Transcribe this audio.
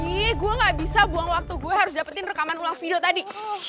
nih gue gak bisa buang waktu gue harus dapetin rekaman ulang video tadi